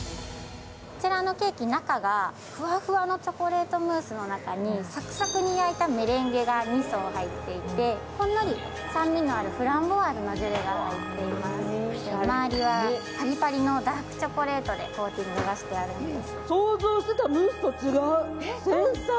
こちらのケーキ中がふわふわのチョコレートムースの中にサクサクに焼いたメレンゲが２層になっていて、ほんのり酸味のあるフランボワーズで、周りはパリパリのダークチョコレートでコーティングしてあります。